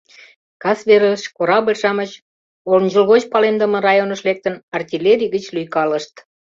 Кас велеш корабль-шамыч, ончылгоч палемдыме районыш лектын, артиллерий гыч лӱйкалышт.